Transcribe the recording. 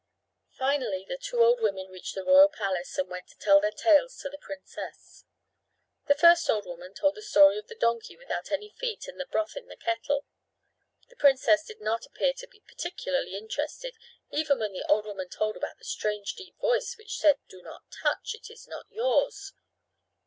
Finally the two old women reached the royal palace and went to tell their tales to the princess. The first old woman told the story of the donkey without any feet and the broth in the kettle. The princess did not appear to be particularly interested even when the old woman told about the strange deep voice which said, "Do not touch. It is not yours."